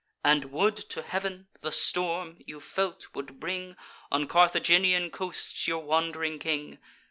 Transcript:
And would to Heav'n, the Storm, you felt, would bring On Carthaginian coasts your wand'ring king.